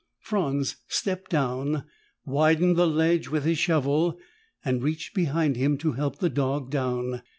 Franz stepped down, widened the ledge with his shovel and reached behind him to help the dog down.